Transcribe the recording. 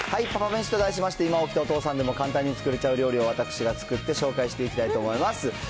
パパめしと題しまして、今起きたお父さんでも簡単に作れちゃう料理を私が作って紹介していきたいと思います。